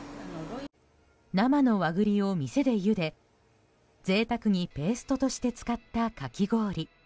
生の和栗を店でゆで、贅沢にペーストとして使ったかき氷。